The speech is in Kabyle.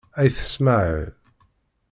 Ayt Smaεel.